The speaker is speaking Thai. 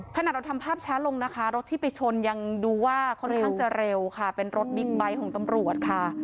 ขนาดเราทำภาพช้าลงนะคะรถที่ไปชนยังดูว่าค่อนข้างจะเร็วค่ะเป็นรถบิ๊กไบท์ของตำรวจค่ะ